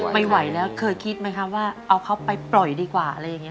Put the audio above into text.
ไม่ไหวแล้วเคยคิดไหมคะว่าเอาเขาไปปล่อยดีกว่าอะไรอย่างนี้